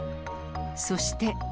そして。